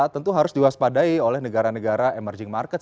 tentu harus diwaspadai oleh negara negara emerging market